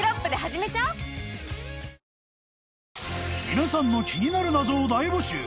［皆さんの気になる謎を大募集］